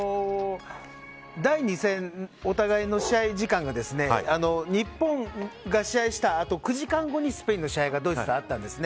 第２戦、お互いの試合時間が日本が試合したあと９時間後にスペインの試合がドイツと、あったんですね。